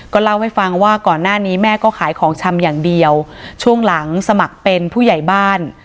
เล่าให้ฟังว่าก่อนหน้านี้แม่ก็ขายของชำอย่างเดียวช่วงหลังสมัครเป็นผู้ใหญ่บ้าน